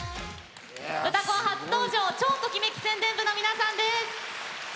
「うたコン」初登場超ときめき宣伝部の皆さんです。